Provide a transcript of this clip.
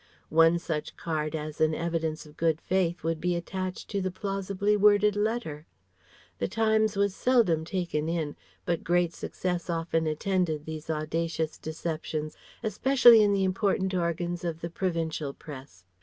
One such card as an evidence of good faith would be attached to the plausibly worded letter. The Times was seldom taken in, but great success often attended these audacious deceptions, especially in the important organs of the provincial press.